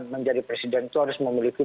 menjadi presiden itu harus memiliki